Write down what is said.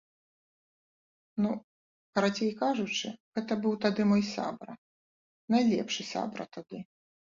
Ну, карацей кажучы, гэта быў тады мой сябра, найлепшы сябра тады.